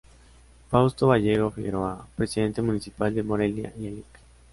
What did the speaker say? Fausto Vallejo Figueroa, Presidente Municipal de Morelia; y el Lic.